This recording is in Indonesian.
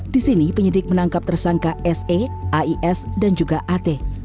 di sini penyidik menangkap tersangka se ais dan juga at